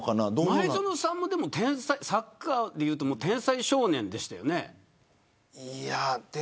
前園さんもサッカーでいうと天才少年でしたよね。